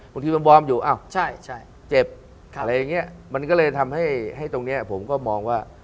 บางทีบวมอยู่เจ็บอะไรอย่างนี้มันก็เลยทำให้ตรงนี้ผมก็มองว่า